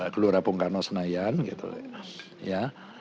gelora bung karno senayan gitu ya